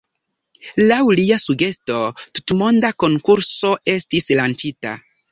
Laŭ lia sugesto, tutmonda konkurso estis lanĉita.